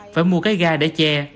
phải mua cái ga để che